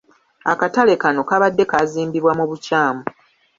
Akatale kano kabadde kaazimbibwa mu bukyamu.